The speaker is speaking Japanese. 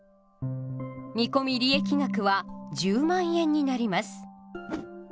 見込利益額は１０万円になります。